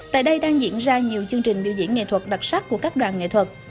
tại đây đang diễn ra nhiều chương trình biểu diễn nghệ thuật đặc sắc của các đoàn nghệ thuật